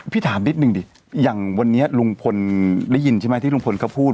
ถามนิดนึงดิอย่างวันนี้ลุงพลได้ยินใช่ไหมที่ลุงพลเขาพูด